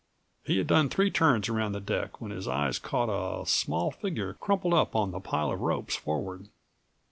He had done three turns around the deck when his eyes caught a small figure crumpled up on the pile of ropes forward.